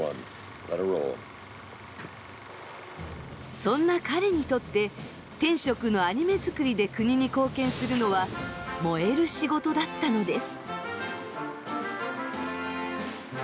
そんな彼にとって天職のアニメ作りで国に貢献するのは燃える仕事だったのです。